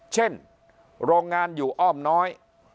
เช่นโรงงานอยู่อ้อมน้อย